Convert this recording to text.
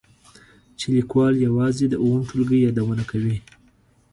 چې لیکوال یوازې د اووم ټولګي یادونه کوي.